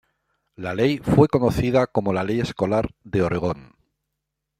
La ley fue conocida como la Ley Escolar de Oregón.